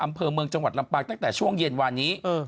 อำเภอเมืองจังหวัดลำปางตั้งแต่ช่วงเย็นวานนี้